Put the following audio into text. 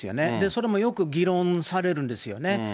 それもよく議論されるんですよね。